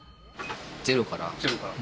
ゼロから。